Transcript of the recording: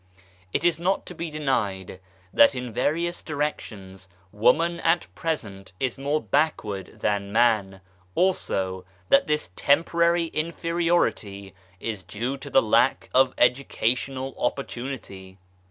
It is not to be denied that in various directions woman at present is more backward than man, also that this temporary inferiority is due to the lack of educational opportunity.